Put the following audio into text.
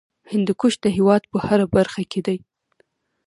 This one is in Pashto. هندوکش د هېواد په هره برخه کې دی.